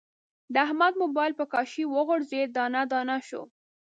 د احمد مبایل په کاشي و غورځید، دانه دانه شو.